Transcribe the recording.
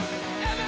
Ｍ！